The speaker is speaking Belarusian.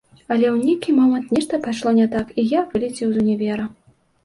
Але ў нейкі момант нешта пайшло не так, і я вылецеў з універа.